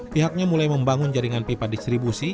pihaknya mulai membangun jaringan pipa distribusi